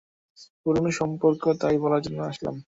পুরনো সম্পর্ক, তাই বলার জন্য আসলাম।